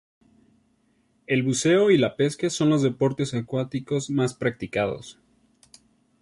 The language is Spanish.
El buceo y la pesca son los deportes acuáticos más practicados.